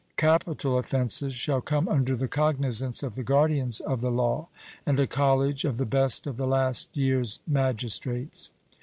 Capital offences shall come under the cognizance of the guardians of the law, and a college of the best of the last year's magistrates.